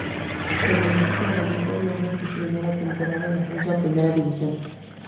Con el equipo gallego logró en su primera temporada el ascenso a Primera división.